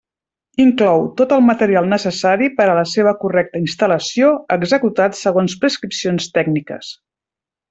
Inclou tot el material necessari per a la seva correcta instal·lació, executat segons prescripcions tècniques.